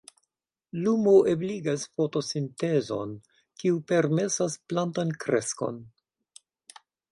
Lumo ebligas fotosintezon, kiu permesas plantan kreskon.